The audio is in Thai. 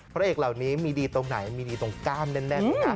พระเอกเหล่านี้มีดีตรงไหนมีดีตรงก้ามแน่น